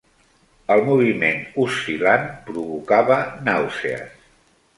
El moviment oscil·lant provocava nàusees.